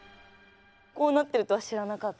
こうなってるとは知らなかった。